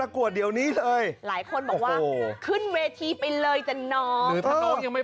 คลิปสองนี่